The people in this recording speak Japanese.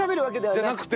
じゃなくて。